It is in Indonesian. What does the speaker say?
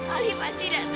aldi pasti dateng